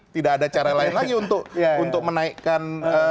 tidak ada cara lain lagi untuk menaikkan